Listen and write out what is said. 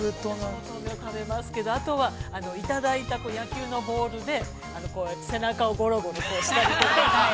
◆私も豆苗食べますけどあとは、いただいた野球のボールで背中をゴロゴロしたりとか。